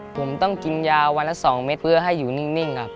ผมต้องกินยาวันละ๒เม็ดเพื่อให้อยู่นิ่งครับ